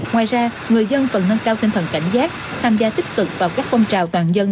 ngoài ra người dân cần nâng cao tinh thần cảnh giác tham gia tích cực vào các phong trào toàn dân